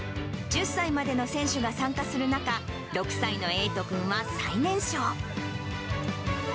１０歳までの選手が参加する中、６歳の瑛斗くんは最年少。